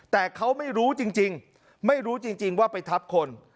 แต่เขาไม่รู้จริงไม่รู้จริงว่าไปทับคน